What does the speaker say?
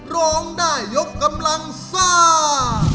ร้องได้ยกกำลังซ่า